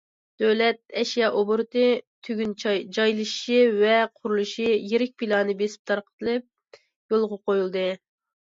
دۆلەت ئەشيا ئوبوروتى تۈگۈن جايلىشىشى ۋە قۇرۇلۇشى يىرىك پىلانى بېسىپ تارقىتىلىپ يولغا قويۇلدى.